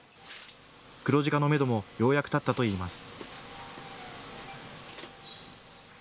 黒字化のめどもようやく立ったといいます。